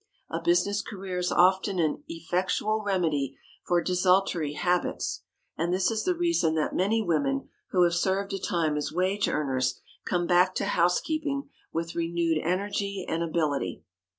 A business career is often an effectual remedy for desultory habits. And this is the reason that many women who have served a time as wage earners come back to housekeeping with renewed energy and ability.